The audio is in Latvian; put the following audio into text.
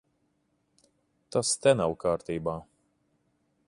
Tas te nav kārtībā.